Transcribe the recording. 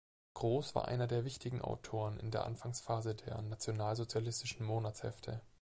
Groß war einer der wichtigen Autoren in der Anfangsphase der "Nationalsozialistischen Monatshefte".